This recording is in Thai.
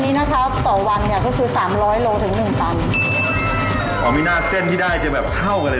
มีหน้าเส้นที่ได้จะเท่ากันเลยนะแบบใช่